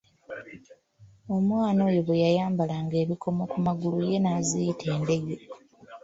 Omwana oyo bwe yayambalanga ebikomo ku magulu ye n’aziyita endege.